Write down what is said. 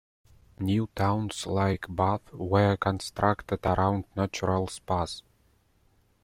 New towns, like Bath, were constructed around natural spas.